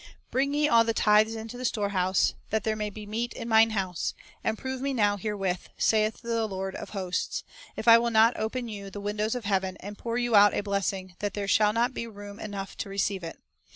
4 "Bring ye all the tithes into the storehouse, that there may be meat in Mine house, and prove Me now herewith, saith the Lord of hosts, if I will not open you the windows of heaven, and pour you out a blessing, that there shall not be room enough to receive it.